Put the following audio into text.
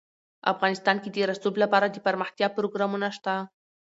افغانستان کې د رسوب لپاره دپرمختیا پروګرامونه شته.